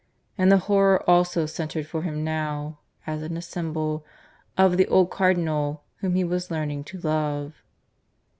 And the horror also centred for him now, as in a symbol, in the old Cardinal whom he was learning to love.